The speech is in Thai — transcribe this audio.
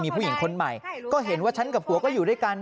ผู้หญิงคนใหม่ก็เห็นว่าฉันกับผัวก็อยู่ด้วยกัน